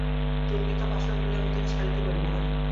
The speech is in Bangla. তাের পিতা পাষাণ বলিয়া আমি তােকে ছাড়িতে পারিব না!